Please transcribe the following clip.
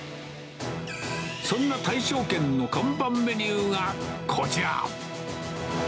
そんな大勝軒の看板メニューがこちら。